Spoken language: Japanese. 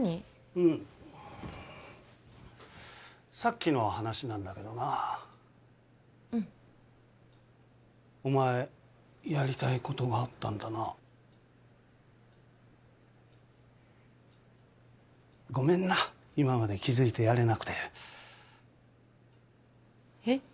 うんさっきの話なんだけどなうんお前やりたいことがあったんだなごめんな今まで気づいてやれなくてえっ？